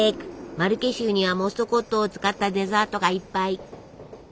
マルケ州にはモストコットを使ったデザートがいっぱい！